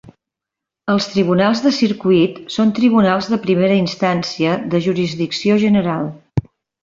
Els tribunals de Circuit són tribunals de primera instància de jurisdicció general.